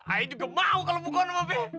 ay juga mau kalau pokoknya mau be